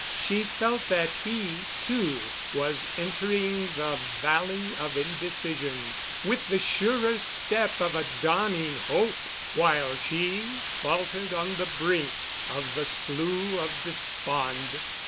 She felt that he, too, was entering the Valley of Indecision, with the surer step of a dawning Hope, while she faltered on the brink of the Slough of Despond.